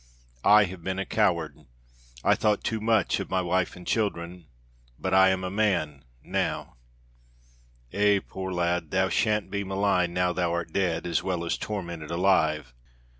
I have been a coward; I thought too much of my wife and children; but I am a man now. Eh! poor lad, thou shan't be maligned now thou art dead, as well as tormented alive.